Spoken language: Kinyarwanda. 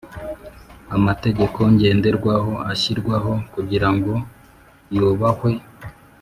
amategeko ngenderwaho ashyirwaho kugira ngo yubahwe